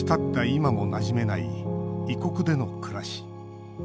今も、なじめない異国での暮らし。